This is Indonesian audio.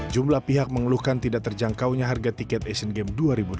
jumlah pihak mengeluhkan tidak terjangkaunya harga tiket asian games dua ribu delapan belas